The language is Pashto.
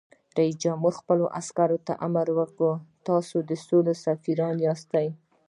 رئیس جمهور خپلو عسکرو ته امر وکړ؛ تاسو د سولې سفیران یاست!